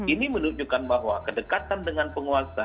ini menunjukkan bahwa kedekatan dengan penguasa